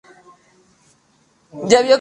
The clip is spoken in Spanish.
El sencillo "Lovin' U" de melody.